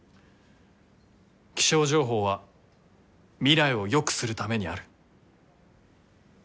気象情報は未来をよくするためにある。